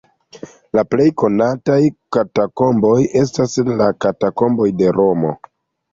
La plej konataj katakomboj estas la Katakomboj de Romo.